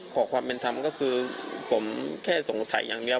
ขอความเป็นธรรมก็คือผมแค่สงสัยอย่างเดียว